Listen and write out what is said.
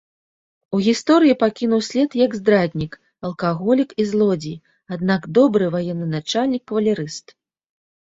У гісторыі пакінуў след як здраднік, алкаголік і злодзей, аднак добры военачальнік-кавалерыст.